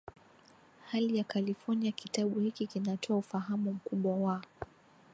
Hali ya California kitabu hiki kinatoa ufahamu mkubwa wa